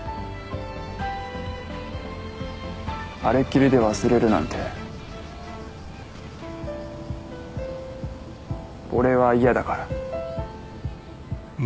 あれっきりで忘れるなんて俺は嫌だから。